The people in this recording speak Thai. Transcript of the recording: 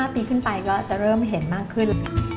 ปีขึ้นไปก็จะเริ่มเห็นมากขึ้น